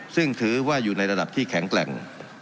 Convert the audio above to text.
ซึ่งถือว่าอยู่ในระดับที่แข็งแกร่ง